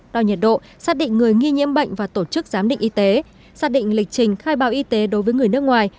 đo nhiệt độ xác định người nghi nhiễm bệnh và tổ chức giám định y tế xác định lịch trình khai báo y tế đối với người nước ngoài